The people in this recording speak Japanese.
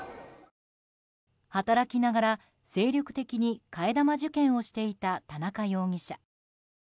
働きながら精力的に替え玉受験をしていた田中容疑者。